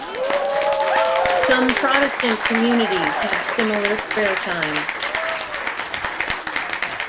Some Protestant communities have similar prayer times.